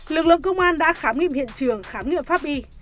lực lượng công an đã khám nghiệm hiện trường khám nghiệm pháp y